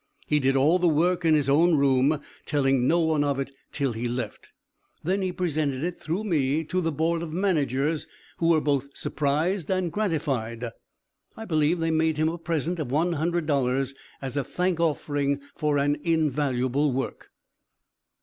He did all the work in his own room, telling no one of it till he left. Then he presented it, through me, to the Board of Managers who were both surprised and gratified. I believe they made him a present of $100 as a thank offering for an invaluable work."